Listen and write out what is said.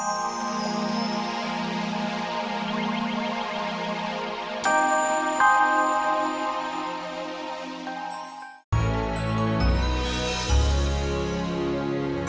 anda juga bisa